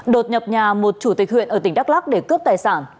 đột nhập nhà một chủ tịch huyện ở tỉnh đắk lắc để cướp tài sản